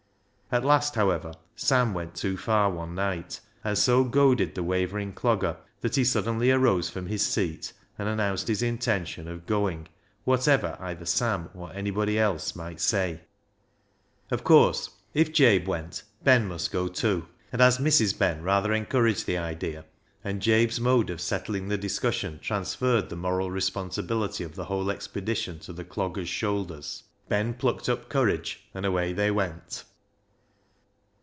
At last, however, Sam went too far one night, and so goaded the wavering Clogger, that he suddenly arose from his seat and announced his intention of going, whatever either Sam or anybody else might say. Of course, if Jabe went, Ben must go too; and as Mrs. Ben rather encouraged the idea, and Jabe's mode of settling the discussion transferred the moral responsibility of the whole expedition to the dogger's shoulders, 326 BECKSIDE LIGHTS Ben plucked up courage, and away they went.